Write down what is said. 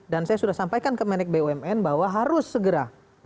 dan saya sudah sampaikan ke menek bumn bahwa harus segera